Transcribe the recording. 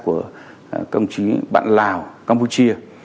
của công chí bạn lào campuchia